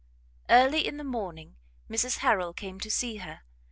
Early in the morning Mrs Harrel came to see her.